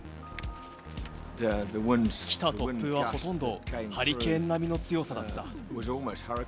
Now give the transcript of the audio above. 来た突風はほとんどハリケーン並の強さだった。